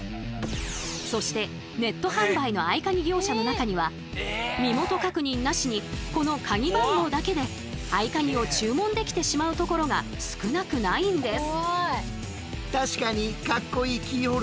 そしてネット販売の合カギ業者の中には身元確認なしにこのカギ番号だけで合カギを注文できてしまうところが少なくないんです。